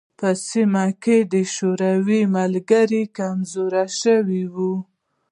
په سیمه کې د شوروي ملګري کمزوري شوي وای.